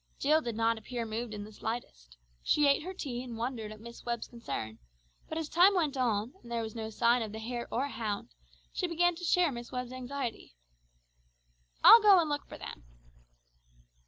Jill did not appear moved in the slightest. She ate her tea and wondered at Miss Webb's concern; but as time went on, and there was no sign of the hare or hound, she began to share Miss Webb's anxiety. "I'll go and look for them."